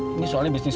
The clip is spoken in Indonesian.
ini soalnya bisnis